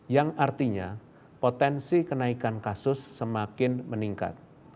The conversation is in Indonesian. yang artinya potensi kenaikan kasus semakin meningkat